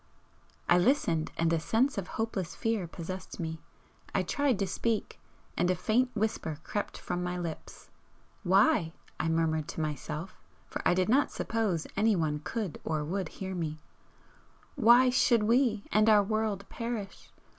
I listened, and a sense of hopeless fear possessed me. I tried to speak, and a faint whisper crept from my lips. "Why," I murmured to myself, for I did not suppose anyone could or would hear me "why should we and our world perish?